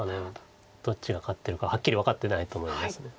どっちが勝ってるかはっきり分かってないと思います。